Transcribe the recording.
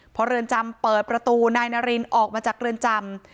พอเรือนจำเปิดประตูนายนารินออกมาจากเรือนจำ